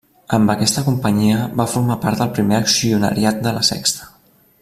Amb aquesta companyia va formar part del primer accionariat de La Sexta.